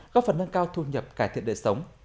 góp phần nâng cao thu nhập cải thiện đời sống